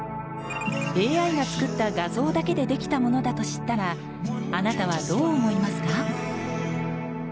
ＡＩが作った画像だけでできたものだと知ったらあなたは、どう思いますか？